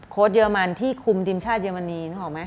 โค้ชเยอรมันที่คุมทีมชาติเยอรมนี